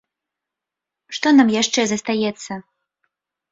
Што нам яшчэ застаецца?